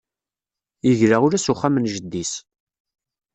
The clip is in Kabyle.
Yegla ula s uxxam n jeddi-s.